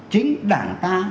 chính đảng ta